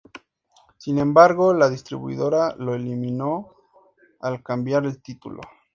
Sin embargo, la distribuidora lo eliminó al cambiar el título.